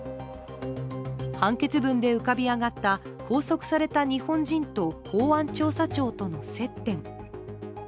判決文で浮かび上がった拘束された日本人と公安調査庁との接点。